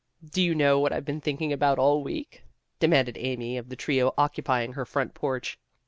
"Do you know what I've been thinking about all week?" demanded Amy of the trio occupy ing her front porch.